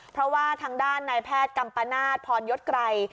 เพราะว่าทางด้านนายแพทย์กัมปนาศพรยศไกร